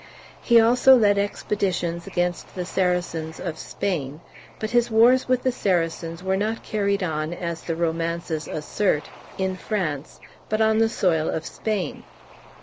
He also led expeditions against the Saracens of Spain; but his wars with the Saracens were not carried on, as the romances assert, in France, but on the soil of Spain.